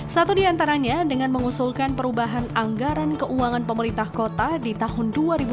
satu di antaranya dengan mengusulkan perubahan anggaran keuangan pemerintah kota di tahun dua ribu dua puluh